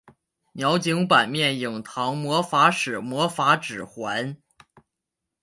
鸟井坂面影堂魔法使魔法指环